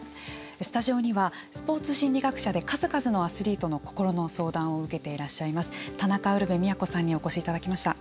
スタジオにはスポーツ心理学者で数々のアスリートの心の相談を受けていらっしゃいます田中ウルヴェ京さんにお越しいただきました。